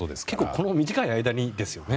この短い間にですよね。